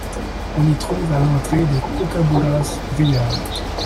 On y trouve à l'entrée des Kookaburras rieurs.